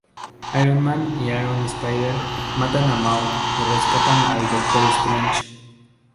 Iron Man y Iron Spider matan a Maw y rescatan al Doctor Strange.